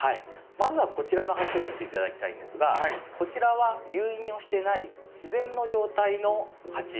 まずはこちらの鉢を見て頂きたいんですがこちらは誘引をしてない自然の状態の鉢ですね。